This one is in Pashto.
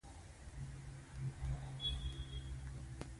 په دې کې دا ټپې هم شته چې: ګودر ته ځم راپسې راشه.